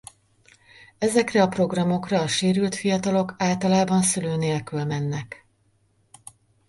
Ezekre a programokra a sérült fiatalok általában szülő nélkül mennek.